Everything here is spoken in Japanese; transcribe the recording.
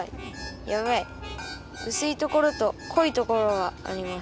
やばいうすいところとこいところがあります。